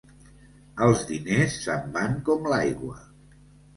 Els diners se'n van com l'aigua.